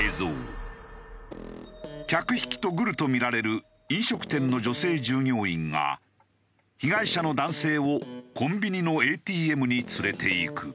客引きとグルと見られる飲食店の女性従業員が被害者の男性をコンビニのＡＴＭに連れていく。